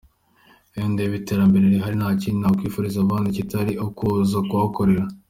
Iyo ndeba iterambere rihari nta kindi nakwifuriza abandi kitari ukuza kuhakorera.